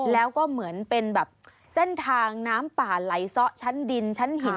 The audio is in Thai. แล้วก็เหมือนเป็นแบบเส้นทางน้ำป่าไหลซะชั้นดินชั้นหิน